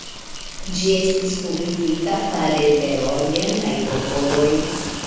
Ĝi estis kultivita fare de orientaj popoloj.